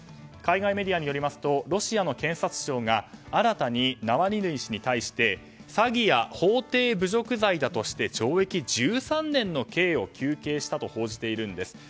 海外メディアによりますとロシアの検察庁が新たにナワリヌイ氏に対して詐欺や法廷侮辱罪だとして懲役１３年の刑を求刑したと報じているんです。